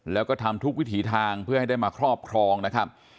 แล้วก็ทำทุกวิถีทางเพื่อให้ได้มาครอบครองนะครับ